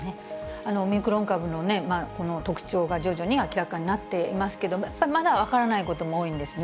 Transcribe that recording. オミクロン株の特徴が徐々に明らかになっていますけれども、やっぱまだ分からないことも多いんですね。